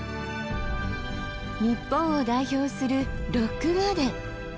日本を代表する「ロックガーデン」。